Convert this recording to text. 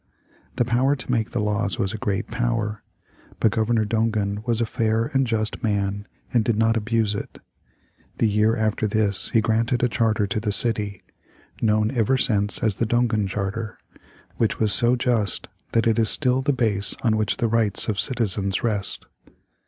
The power to make the laws was a great power, but Governor Dongan was a fair and just man and did not abuse it. The year after this he granted a charter to the city, known ever since as the Dongan Charter, which was so just that it is still the base on which the rights of citizens rest.